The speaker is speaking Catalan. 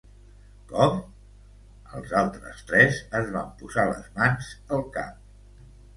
Com?! —els altres tres es van posar les mans al cap.